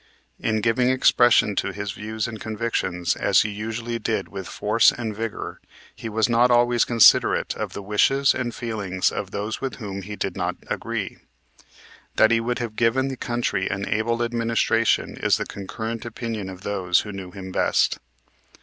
In giving expression to his views and convictions, as he usually did with force and vigor, he was not always considerate of the wishes and feelings of those with whom he did not agree. That he would have given the country an able administration is the concurrent opinion of those who knew him best.